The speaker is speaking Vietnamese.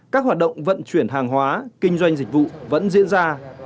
các hoạt động vận chuyển hàng hóa kinh doanh dịch vụ vẫn diễn ra